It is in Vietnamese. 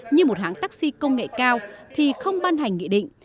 như một hãng taxi công nghệ cao thì không ban hành nghị định